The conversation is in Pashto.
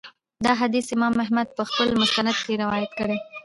دا حديث امام احمد په خپل مسند کي روايت کړی